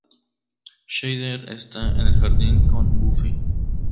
Xander está en el jardín con Buffy.